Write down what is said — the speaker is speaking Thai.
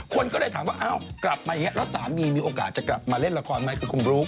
คนก็เลยถามว่าอ้าวกลับมาอย่างนี้แล้วสามีมีโอกาสจะกลับมาเล่นละครไหมคือคุณบลุ๊ก